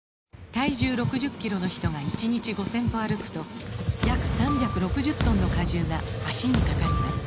体重６０キロの人が１日５０００歩歩くと約３６０トンの荷重が脚にかかります